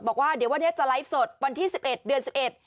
บอกว่าเดี๋ยววันนี้จะไลฟ์สดวันที่๑๑เดือน๑๑